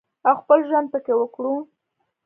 او خپل ژوند پکې وکړو